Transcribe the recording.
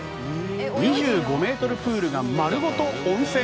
２５ｍプールが丸ごと温泉？